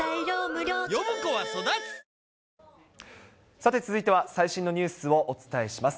さて続いては最新のニュースをお伝えします。